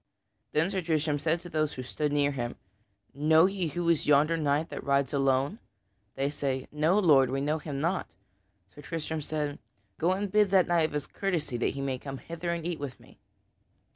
Then Sir Tristram said to those who stood near him, "Know ye who is yonder knight who rides alone?" They say, "No, Lord, we know him not." Sir Tristram said, "Go and bid that knight of his courtesy that he come hither and eat with me."